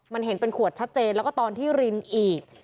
มันเห็นเป็นขวดชัดเจนแล้วก็ตอนที่รินอีก